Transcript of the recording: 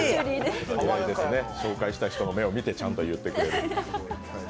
紹介した人の目を見てちゃんと言ってくれる。